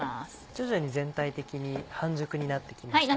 徐々に全体的に半熟になってきましたね。